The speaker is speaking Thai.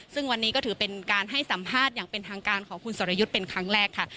ซึ่งวันนี้ก็ถือเป็นการให้สัมภาษณ์อย่างเป็นทางการของคุณสรยุทธ์เป็นครั้งแรกค่ะ